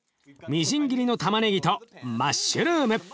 みじん切りのたまねぎとマッシュルーム！